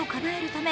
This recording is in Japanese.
ため